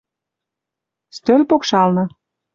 Стӧл покшалны —